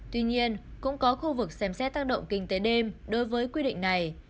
tuy nhiên cũng có khu vực xem xét tác động kinh tế đêm đối với quy định này